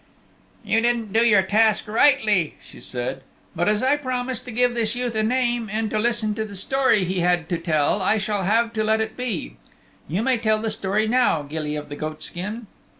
"You didn't do your task rightly," she said, "but as I promised to give this youth a name and to listen to the story he had to tell, I shall have to let it be. You may tell the story now, Gilly of the Goatskin."